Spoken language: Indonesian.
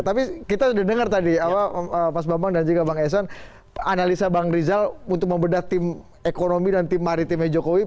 tapi kita sudah dengar tadi awal mas bambang dan juga bang esan analisa bang rizal untuk membedah tim ekonomi dan tim maritimnya jokowi